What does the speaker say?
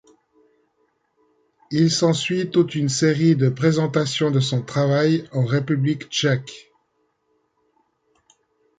Il s'ensuit toute une série de présentations de son travail en République Tchèque.